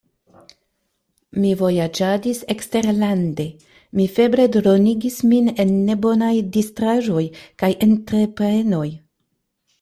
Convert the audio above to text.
Mi vojaĝadis eksterlande; mi febre dronigis min en nebonaj distraĵoj kaj entreprenoj.